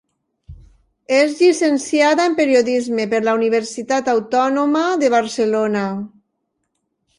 És llicenciada en periodisme per la Universitat Autònoma de Barcelona.